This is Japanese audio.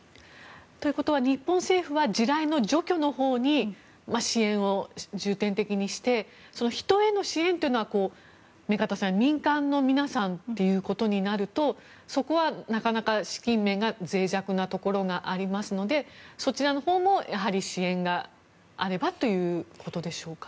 ということは日本政府は地雷の除去のほうに支援を重点的にして人への支援というのは目加田さん、民間の皆さんということになるとそこはなかなか資金面がぜい弱なところがありますのでそちらのほうもやはり支援があればということでしょうか。